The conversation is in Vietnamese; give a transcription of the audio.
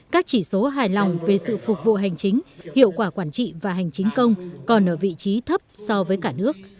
các chỉ số hài lòng về sự phục vụ hành chính hiệu quả quản trị và hành chính công còn ở vị trí thấp so với cả nước